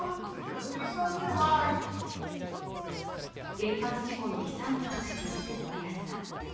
原発事故の悲惨さを知る小林さん。